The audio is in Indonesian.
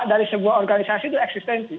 dari sebuah organisasi itu eksistensi